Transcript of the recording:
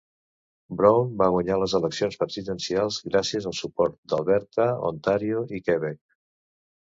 Brown va guanyar les eleccions presidencials gràcies al suport d'Alberta, Ontario i Quebec.